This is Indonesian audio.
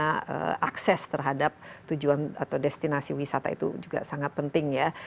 dan bagaimana akses terhadap tujuan atau destinasi wisata itu juga sangat penting ya